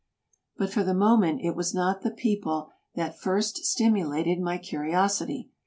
But for the moment it was not the people that first stim ulated my curiosity.